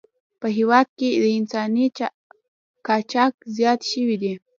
په هېواد کې انساني قاچاق زیات شوی دی.